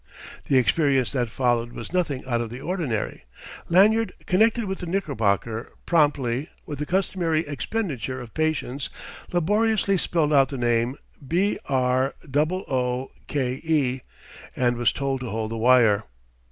The experience that followed was nothing out of the ordinary. Lanyard, connected with the Knickerbocker promptly, with the customary expenditure of patience laboriously spelled out the name B r double o k e, and was told to hold the wire.